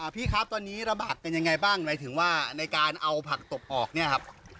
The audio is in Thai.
พี่ครับตอนนี้ระบาดเป็นยังไงบ้างหมายถึงว่าในการเอาผักตบออกเนี่ยครับ